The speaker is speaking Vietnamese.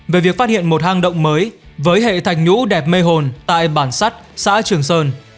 về việc phát hiện một hang động mới với hệ thành nhũ đẹp mê hồn tại bản sắt xã trường sơn